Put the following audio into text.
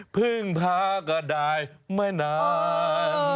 พึ่งพาก็ได้ไม่นาน